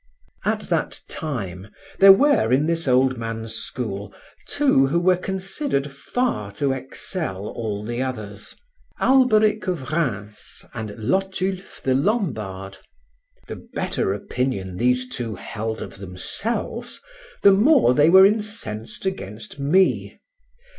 At that time there were in this old man's school two who were considered far to excel all the others: Alberic of Rheims and Lotulphe the Lombard. The better opinion these two held of themselves, the more they were incensed against me.